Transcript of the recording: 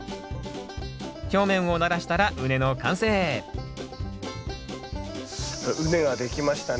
表面をならしたら畝の完成畝が出来ましたね。